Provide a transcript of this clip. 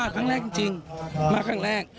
ครั้งแรกจริงมาครั้งแรก